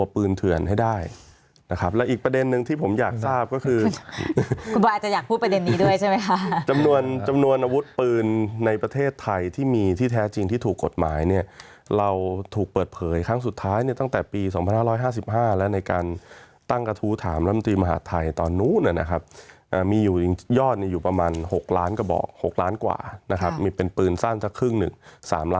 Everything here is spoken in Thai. ปืนเผื่อนให้ได้นะครับและอีกประเด็นนึงที่ผมอยากทราบก็คือคุณบาอาจจะอยากพูดประเด็นนี้ด้วยใช่ไหมค่ะจำนวนจำนวนอาวุธปืนในประเทศไทยที่มีที่แท้จริงที่ถูกกฎหมายเนี่ยเราถูกเปิดเผยครั้งสุดท้ายเนี่ยตั้งแต่ปี๒๕๕๕และในการตั้งกระทู้ถามรำตีมหาดไทยตอนนู้นนะครับมีอยู่ยอดอยู่ประมาณ๖ล้านกระบอก๖ล